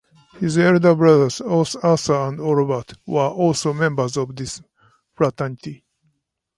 His elder brothers, Arthur and Robert, were also members of this fraternity.